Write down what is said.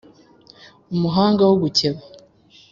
Umuhanga wo gukeba